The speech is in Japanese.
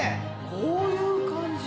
こういう感じ。